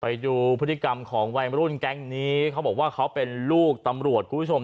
ไปดูพฤติกรรมของวัยรุ่นแก๊งนี้เขาบอกว่าเขาเป็นลูกตำรวจคุณผู้ชม